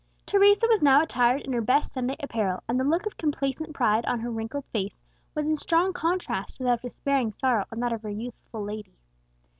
Teresa was now attired in her best Sunday apparel; and the look of complacent pride on her wrinkled face was in strong contrast to that of despairing sorrow on that of her youthful lady.